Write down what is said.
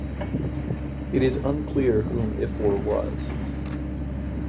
It is unclear whom Ifor was.